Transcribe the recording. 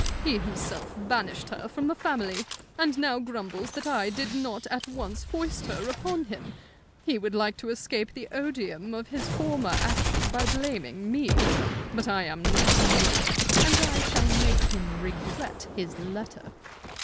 He himself banished her from the family, and now grumbles that I did not at once foist her upon him. He would like to escape the odium of his former action by blaming me; but I am not meek, and I shall make him regret his letter.